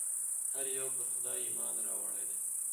هر یو پر خدای ایمان راوړی دی.